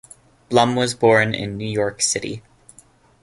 Blum was born in New York City.